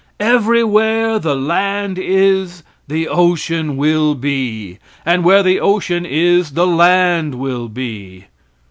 Everywhere the land is, the ocean will be; and where the ocean is the land will be.